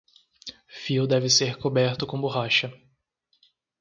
Fio deve ser coberto com borracha.